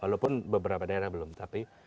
walaupun beberapa daerah belum tapi